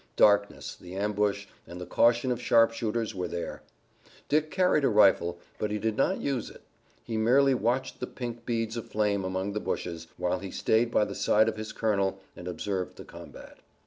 Darkness, the ambush and the caution of sharpshooters were there. Dick carried a rifle, but he did not use it. He merely watched the pink beads of flame among the bushes, while he stayed by the side of his colonel and observed the combat.